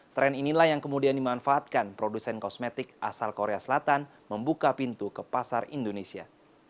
tren inilah yang kemudian dimanfaatkan produsen kosmetik asal korea selatan membuka pintu ke pasar indonesia